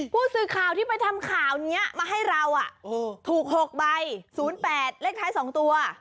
ผู้สื่อข่าวที่ไปทำข่าวนี้มาให้เราถูก๖ใบ๐๘เลขท้าย๒ตัว